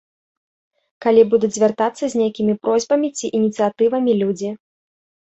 Калі будуць звяртацца з нейкімі просьбамі ці ініцыятывамі людзі.